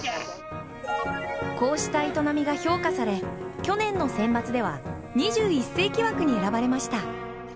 こうした営みが評価され、去年のセンバツでは２１世紀枠に選ばれました。